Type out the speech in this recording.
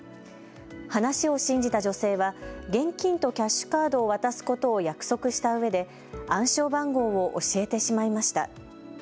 話を信じた女性は現金とキャッシュカードを渡すことを約束したうえで暗証番号を教えてしまいました。